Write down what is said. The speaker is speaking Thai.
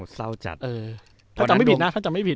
เศร้าจัด